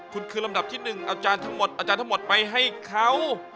คุณคือลำดับที่หนึ่งเอาจานทั้งหมดไปให้เขา